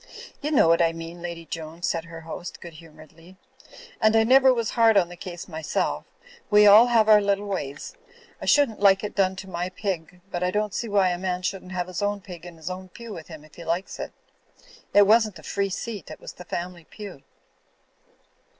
"You know what I mean. Lady Joan," said her host, good humouredly. "And I never was hard on the case myself; we all have our little ways. I shouldn't like Digitized by CjOOQ IC 36 THE FLYING INN it done to my pig; but I don't see why a man shouldn't have his own pig in his own pew with him if he likes it. It wasn't a free seat. It was the family pew."